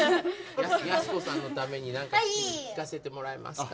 やす子さんのために何か聴かせてもらえますか？